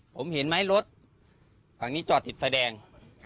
ผมเห็นไหมรถฝั่งนี้จอดติดไฟแดง